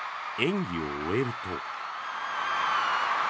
演技を終えると。